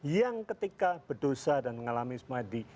yang ketika berdosa dan mengalami sumadi